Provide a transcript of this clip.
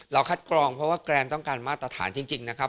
คัดกรองเพราะว่าแกรนต้องการมาตรฐานจริงนะครับ